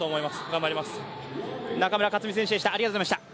頑張ります。